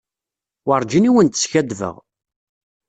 Werǧin i wen-d-skaddbeɣ.